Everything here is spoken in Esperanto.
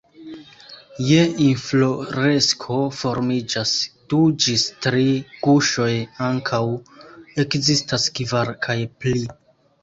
Je infloresko formiĝas du ĝis tri guŝoj, ankaŭ ekzistas kvar kaj pli.